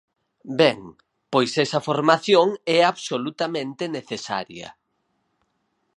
Ben, pois esa formación é absolutamente necesaria.